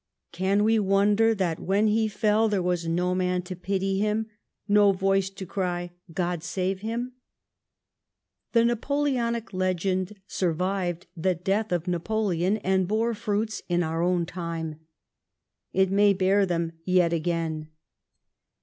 Can we wonder that when he fell there was no man to pity him, no voice to cry " God save him ?" The Napoleonic Legend survived the death of Napoleon, and bore fruits in our own time. It may bear them yet again.